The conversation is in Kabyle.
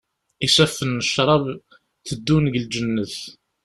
Isaffen n ccrab teddun deg lǧennet.